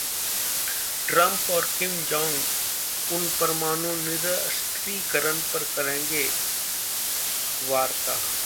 Trump और Kim Jong Un परमाणु निरस्त्रीकरण पर करेंगे वार्ता